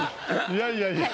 いやいやいや。